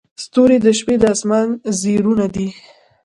• ستوري د شپې د اسمان زیورونه دي.